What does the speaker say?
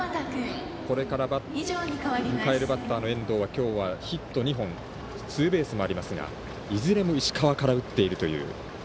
これから迎えるバッターの遠藤は今日はヒット２本ツーベースもありますがいずれも石川から打っているという。